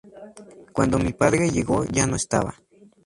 Cuando mi padre llegó ya no estaba…".